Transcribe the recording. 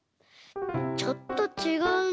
ちょっとちがうな。